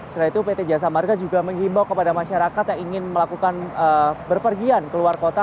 selain itu pt jasa marga juga mengimbau kepada masyarakat yang ingin melakukan berpergian keluar kota